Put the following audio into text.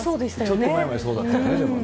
ちょっと前までそうだったね。